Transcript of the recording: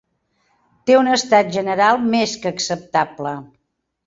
Té un estat general més que acceptable.